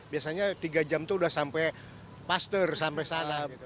biasanya tiga jam itu sudah sampai pasir sampai sana